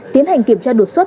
tiến hành kiểm tra đột xuất